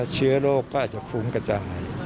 เชื้อโรคก็อาจจะฟุ้งกระจาย